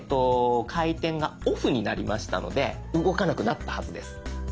回転が「ＯＦＦ」になりましたので動かなくなったはずです。